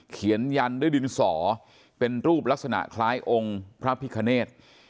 ยันด้วยดินสอเป็นรูปลักษณะคล้ายองค์พระพิคเนธ